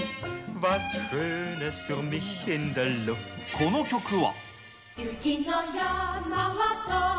この曲は。